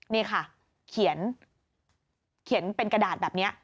นี่ค่ะเขียนเป็นกระดาษแบบนี้